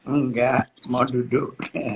enggak mau duduk